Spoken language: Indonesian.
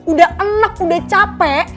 udah enak udah capek